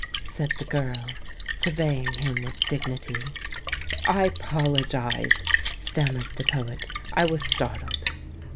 said the girl, surveying him with dignity. "I apologise," stammered the poet; "I was startled."